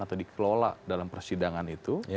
atau dikelola dalam persidangan itu